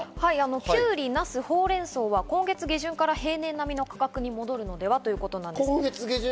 きゅうり、なす、ほうれん草は今月下旬から平年並みの価格に戻るのではということです。